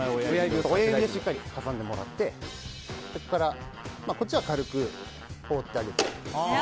親指でしっかり挟んでもらってこっちは軽く放ってあげる。